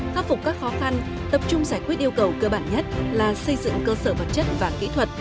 khắc phục các khó khăn tập trung giải quyết yêu cầu cơ bản nhất là xây dựng cơ sở vật chất và kỹ thuật